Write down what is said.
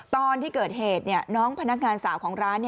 ตอนที่เกิดเหตุน้องพนักงานสาวของร้าน